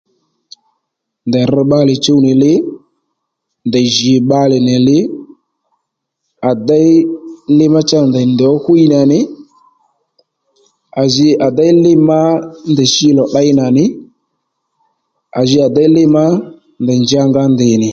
Ndèy rr̀ bbalè chuw nì li, ndèy jì bbalè nì li, à déy li má cha ndèy nì ndèy ó hwî nà nì, à ji à déy li má ndèy shi lò tdey nà nì à ji à déy li má ndèy nja nga ndìy nì